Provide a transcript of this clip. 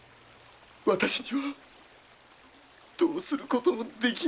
私にはどうすることもできなかった！